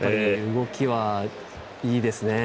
動きがいいですね。